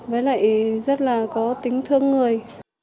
với lại rất là có tính thương người